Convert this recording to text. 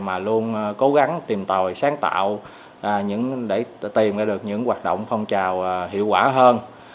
mà luôn cố gắng tìm tòi sáng tạo để tìm ra được những hoạt động phong trào hiệu quả hơn